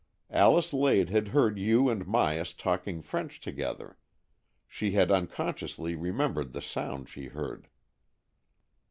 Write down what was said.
Alice Lade had heard you and Myas talking French together. She had unconsciously remem bered the sounds she heard."